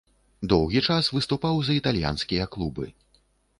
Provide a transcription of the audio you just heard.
Доўгі час выступаў за італьянскія клубы.